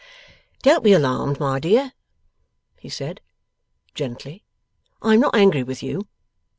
'Don't be alarmed, my dear,' he said, gently; 'I am not angry with you.